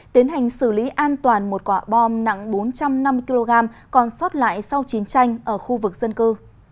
tiến hành xử lý an toàn một quả bom nặng bốn trăm năm mươi kg còn sót lại sau chiến tranh ở khu vực dân cư